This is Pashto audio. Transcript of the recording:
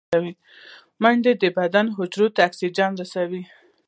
منډه د بدن حجرو ته اکسیجن رسوي